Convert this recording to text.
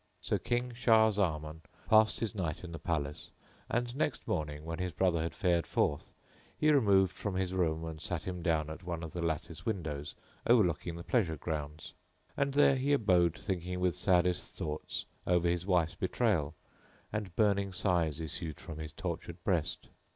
So King Shah Zaman passed his night in the palace and, next morning, when his brother had fared forth, he removed from his room and sat him down at one of the lattice windows overlooking the pleasure grounds; and there he abode thinking with saddest thought over his wife's betrayal and burning sighs issued from his tortured breast.